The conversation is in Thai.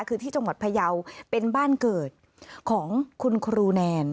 คือที่จังหวัดพยาวเป็นบ้านเกิดของคุณครูแนน